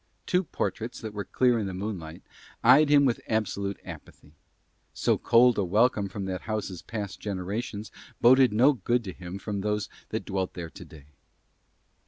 Two portraits that were clear in the moonlight eyed him with absolute apathy. So cold a welcome from that house's past generations boded no good to him from those that dwelt there today.